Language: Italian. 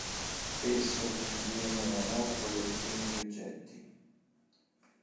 Esso contiene una nuova collezione di oggetti.